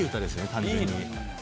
単純に。